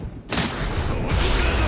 どこからだ！？